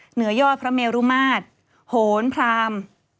เหนือยอดพระเมรุมาตรโหนพราม